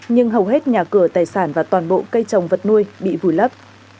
nhưng hầu hết nhà cửa tài sản và toàn bộ cây trồng vật nuôi bị vùi lấp